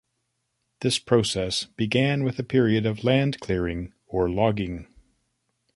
This process began with a period of land clearing, or logging.